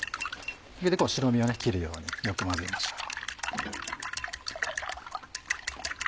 白身を切るようによく混ぜましょう。